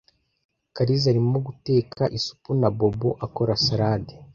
Kariza arimo guteka isupu na Bobo akora salade.